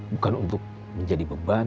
bukan untuk menjadi beban